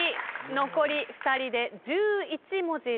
残り２人で１１文字です。